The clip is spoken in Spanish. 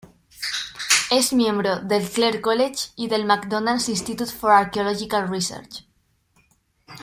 Es miembro del Clare College y del McDonald Institute for Archaeological Research.